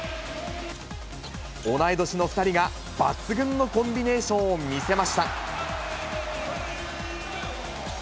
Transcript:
同い年の２人が抜群のコンビネーションを見せました。